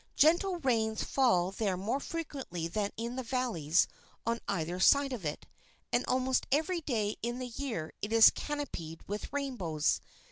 Gentle rains fall there more frequently than in the valleys on either side of it, and almost every day in the year it is canopied with rainbows.